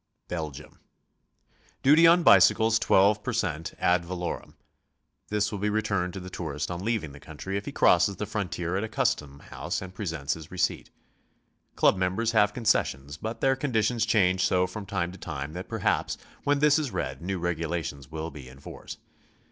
BELGIUM. Duty on bicycles, 12 per cent, ad valorem. This will be returned to the tourist on leaving the country if he crosses the frontier at a custom house and presents his receipt. Club members have concessions, but their condi tions change so from time to time that perhaps when this is read, new regulations will be in force.